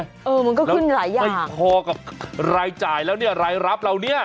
เออมันก็ขึ้นหลายอย่างแล้วไม่พอกับรายจ่ายแล้วเนี่ยรายรับเหล่านี้